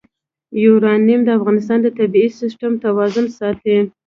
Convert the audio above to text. یورانیم د افغانستان د طبعي سیسټم توازن ساتي.